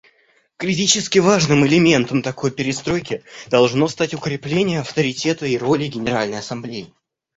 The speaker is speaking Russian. Критически важным элементом такой перестройки должно стать укрепление авторитета и роли Генеральной Ассамблеи.